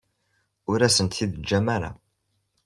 Ur asen-ten-id-teǧǧam ara.